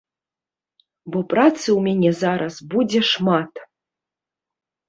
Бо працы ў мяне зараз будзе шмат.